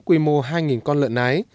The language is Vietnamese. quy mô hai con lợn ái